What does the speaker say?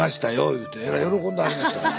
言うてえらい喜んではりましたよ。